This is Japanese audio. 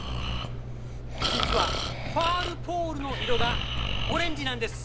実はファウルポールの色がオレンジなんです。